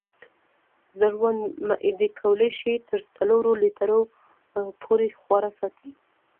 زړوند معدې کولی شي تر څلورو لیټرو پورې خواړه وساتي.